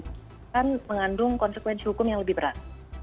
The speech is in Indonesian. itu kan mengandung konsekuensi hukum yang lebih berat